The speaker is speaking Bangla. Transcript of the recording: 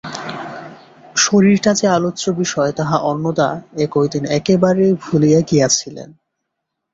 শরীরটা যে আলোচ্য বিষয় তাহা অন্নদা এ কয়দিন একেবারে ভুলিয়া গিয়াছিলেন।